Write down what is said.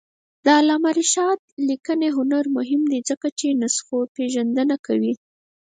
د علامه رشاد لیکنی هنر مهم دی ځکه چې نسخوپېژندنه کوي.